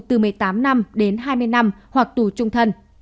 từ một mươi tám năm đến hai mươi năm hoặc tù trung thân